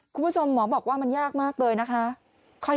คุณผู้ชมหมอบอกว่ามันยากมากเลยนะคะ